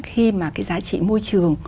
khi mà cái giá trị môi trường